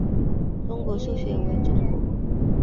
中国数学会为中国科学技术协会的成员。